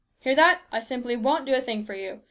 Hear that ? I simply won't do a thing for you